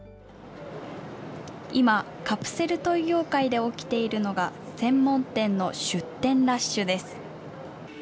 今、カプセルトイ業界で起きているのが、専門店の出店ラッシュです。